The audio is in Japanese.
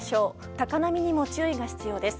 高波にも注意が必要です。